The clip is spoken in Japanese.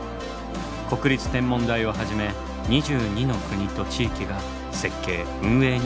国立天文台をはじめ２２の国と地域が設計運営に参加。